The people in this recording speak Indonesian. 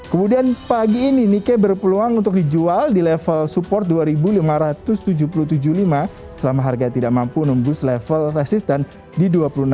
kemudian pagi ini nikkei berpeluang untuk dijual di level support dua lima ratus tujuh puluh lima selama harga tidak mampu nunggu level resistan di dua puluh enam empat ratus enam puluh lima